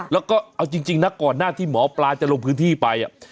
แล้วก็เอาจริงนะก่อนหน้าที่หมอปลาจะลงพื้นที่ไป